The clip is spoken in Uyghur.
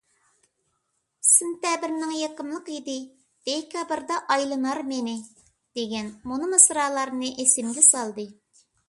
«سېنتەبىرنىڭ يېقىملىق ھىدى، دېكابىردا ئايلىنار مېنى» دېگەن مۇنۇ مىسرالارنى ئېسىمگە سالدى.